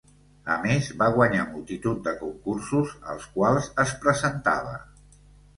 A més, va guanyar multitud de concursos als quals es presentava.